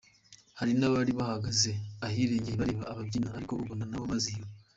Hari n’abari bahagaze ahirengeye bareba ababyina, ariko ubona nabo bizihiwe.